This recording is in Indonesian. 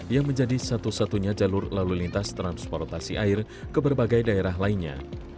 yang menjadi satu satunya jalur lalu lintas transportasi air ke berbagai daerah lainnya